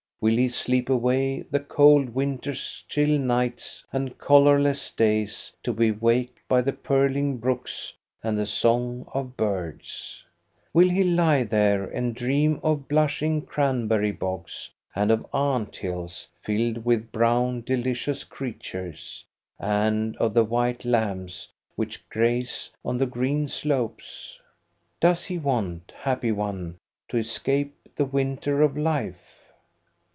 Will he sleep away the cold winter's chill nights and colorless days to be waked by purling brooks and the song of birds ? Will he lie there and dream of blushing cranberry bogs, and of ant hills filled with brown delicious creatures, and of the white lambs which graze on the green slopes? Does he want, happy one ! to escape the winter of life